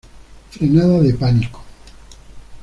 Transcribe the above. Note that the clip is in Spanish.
Frenada de pánico.